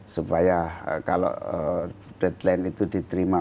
supaya kalau deadline itu diterima